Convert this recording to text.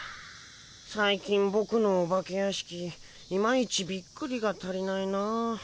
最近ボクのお化け屋敷いまいちビックリが足りないなあ。